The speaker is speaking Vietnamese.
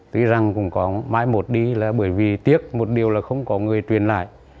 tuy rằng cũng có mai một đi là bởi vì tiếc một điều là không có người truyền lại